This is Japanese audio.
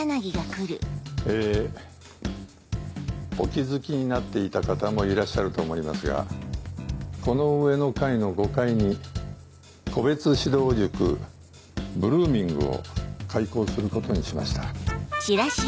えお気付きになっていた方もいらっしゃると思いますがこの上の階の５階に個別指導塾「ブルーミング」を開校することにしました。